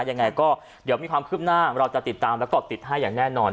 ยังไงก็เดี๋ยวมีความคืบหน้าเราจะติดตามแล้วก็ติดให้อย่างแน่นอน